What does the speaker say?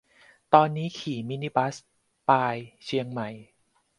ตอนนี้ขี่มินิบัส ปาย-เชียงใหม่